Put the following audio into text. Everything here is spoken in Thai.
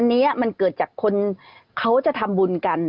อันนี้มันเกิดจากคนเขาจะทำบุญกัน